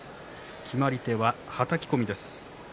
決まり手、はたき込みです。